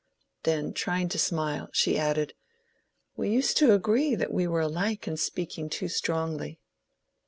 Then trying to smile, she added, "We used to agree that we were alike in speaking too strongly."